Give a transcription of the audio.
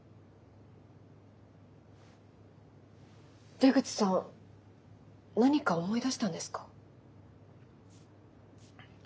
出口さん何か思い出したんですか？